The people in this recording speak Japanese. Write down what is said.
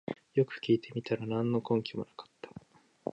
よく聞いてみたら何の根拠もなかった